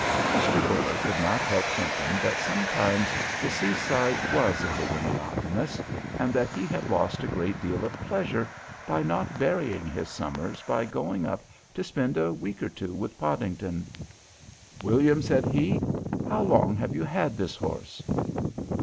Mr. Buller could not help thinking that sometimes the seaside was a little monotonous, and that he had lost a great deal of pleasure by not varying his summers by going up to spend a week or two with Podington. "William," said he, "how long have you had this horse?"